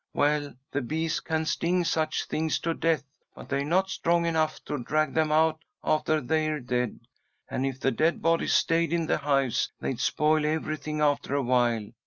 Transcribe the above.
Well, the bees can sting such things to death, but they're not strong enough to drag them out after they're dead, and if the dead bodies stayed in the hives they'd spoil everything after awhile.